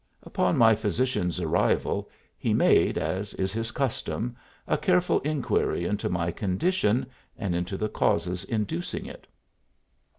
Upon my physician's arrival he made, as is his custom, a careful inquiry into my condition and into the causes inducing it.